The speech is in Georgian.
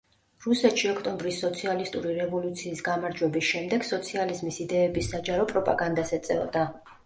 რუსეთში ოქტომბრის სოციალისტური რევოლუციის გამარჯვების შემდეგ სოციალიზმის იდეების საჯარო პროპაგანდას ეწეოდა.